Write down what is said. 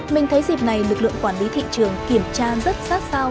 mình thấy dịp này lực lượng quản lý thị trường kiểm tra rất sát sao